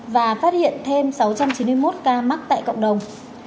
và phát hiện thêm sáu trăm chín mươi một ca mắc tại cộng đồng